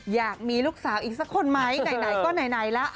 อยากมีลูกสาวอีกสักคนไหมไหนก็ไหนละ